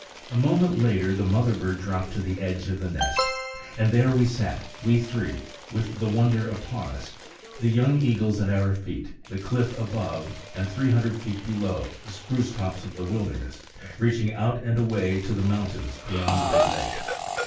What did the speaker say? A moment later the mother bird dropped to the edge of the nest. And there we sat, we three, with the wonder upon us all, the young eagles at our feet, the cliff above, and, three hundred feet below, the spruce tops of the wilderness reaching out and away to the mountains beyond the big lake.